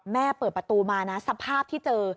เปิดประตูมานะสภาพที่เจอ